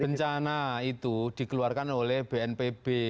bencana itu dikeluarkan oleh bnpb